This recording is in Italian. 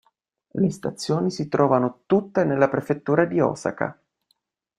Le stazioni si trovano tutte nella prefettura di Osaka.